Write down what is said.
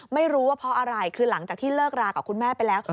ไม่รู้ว่าเพราะอะไรคือหลังจากที่เลิกรากับคุณแม่ไปแล้ว